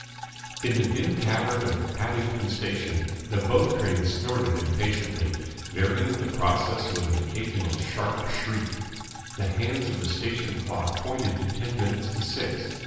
In the dim cavern of Paddington Station the boat train snorted impatiently, varying the process with an occasional sharp shriek. The hands of the station clock pointed to ten minutes to six.